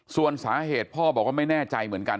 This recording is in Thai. ส่วนสาเหตุพ่อบอกว่าไม่แน่ใจเหมือนกัน